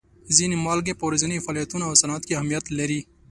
ځینې مالګې په ورځیني فعالیتونو او صنعت کې اهمیت لري.